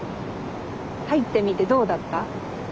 入ってみてどうだった？